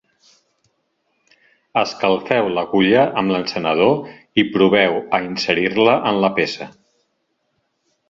Escalfeu l’agulla amb l’encenedor i proveu a inserir-la en la peça.